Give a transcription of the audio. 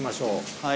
はい。